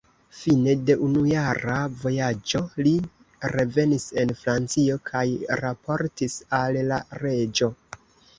Fine de unujara vojaĝo, li revenis en Francio kaj raportis al la reĝo.